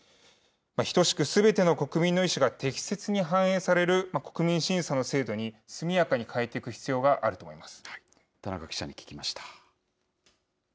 等しくすべての国民の意思が適切に反映される国民審査の制度に、速やかに変えていく必要があると思います。